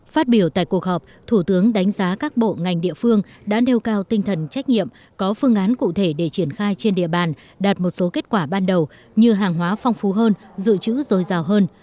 phát biểu tại cuộc họp thủ tướng đánh giá các bộ ngành địa phương đã nêu cao tinh thần trách nhiệm có phương án cụ thể để triển khai trên địa bàn đạt một số kết quả ban đầu như hàng hóa phong phú hơn dự trữ dồi dào hơn